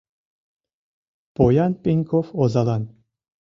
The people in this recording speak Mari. Поян Пеньков озалан